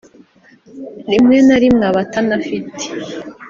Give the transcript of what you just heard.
rimwe na rimwe aba atanafite